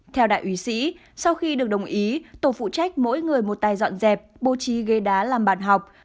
theo đại úy sĩ sau khi được đồng ý tổ phụ trách mỗi người một tài dọn dẹp bố trí ghế đá làm bàn học